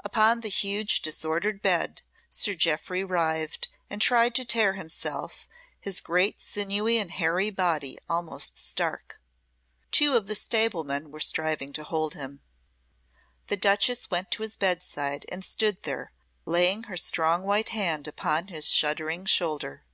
Upon the huge disordered bed, Sir Jeoffry writhed, and tried to tear himself, his great sinewy and hairy body almost stark. Two of the stable men were striving to hold him. The duchess went to his bedside and stood there, laying her strong white hand upon his shuddering shoulder.